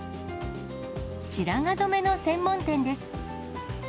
白髪染めの専門店です。